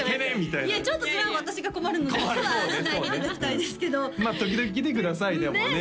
いやちょっとそれは私が困るのでミスはしないでいただきたいですけどまあ時々来てくださいでもね